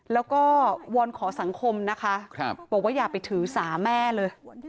แล้วก็วิวาร์วีสิทธิ์ของสังคมบอกว่าอย่าไปถือสาแม่เลย